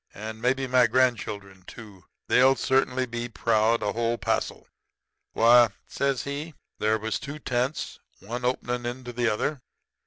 And maybe my grandchildren, too. They'll certainly be proud a whole passel. Why,' says he, 'there was two tents, one openin' into the other.